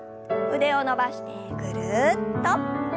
腕を伸ばしてぐるっと。